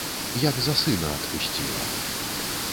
Як за сына, адпусціла.